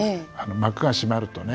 幕が閉まるとね